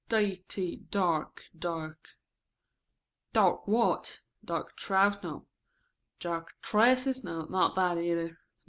D. t. Dark dark what? Dark trous No. Dark tresses? Not that, either.